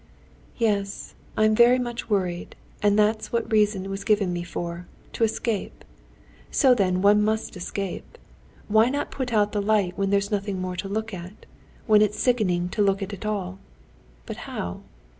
"Yes, I'm very much worried, and that's what reason was given me for, to escape; so then one must escape: why not put out the light when there's nothing more to look at, when it's sickening to look at it all? But how?